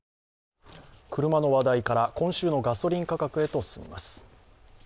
車の話題から、今週のガソリン価格へと進みます。